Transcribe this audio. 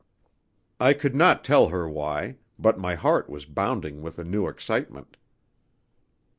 I could not tell her why; but my heart was bounding with a new excitement.